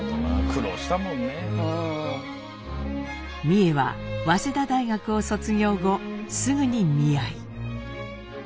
美惠は早稲田大学を卒業後すぐに見合い。